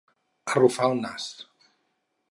Arrufar el nas.